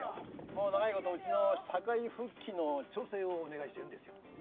もう長いことうちの社会復帰の調整をお願いしているんですよ